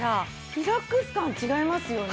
リラックス感違いますよね。